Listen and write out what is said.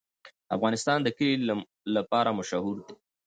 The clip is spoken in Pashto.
افغانستان د کلي لپاره مشهور دی.